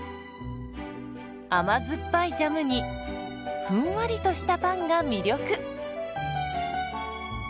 甘酸っぱいジャムにふんわりとしたパンが魅力。